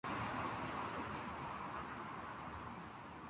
La policía alemana se está preparando para una persecución del o los autores.